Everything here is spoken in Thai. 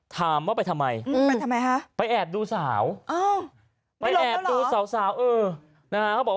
ถามว่าไปทำไมไปแอบดูสาวไปแอบดูสาวสาวหือ